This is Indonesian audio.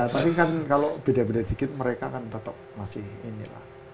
tapi kan kalau beda beda sedikit mereka kan tetap masih ini lah